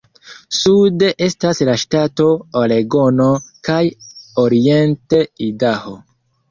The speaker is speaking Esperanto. Sude estas la ŝtato Oregono kaj oriente Idaho.